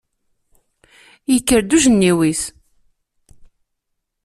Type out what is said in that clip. Yekker-d ujenniw-is.